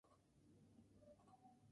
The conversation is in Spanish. La única recompensa es el amor mismo.